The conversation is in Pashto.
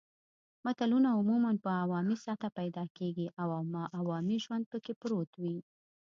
متلونه عموماً په عوامي سطحه پیدا کیږي او عوامي ژوند پکې پروت وي